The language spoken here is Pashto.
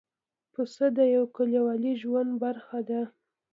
پسه د یوه کلیوالي ژوند برخه ده.